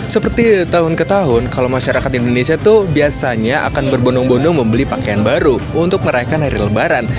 seperti tahun ke tahun kalau masyarakat indonesia itu biasanya akan berbondong bondong membeli pakaian baru untuk merayakan hari lebaran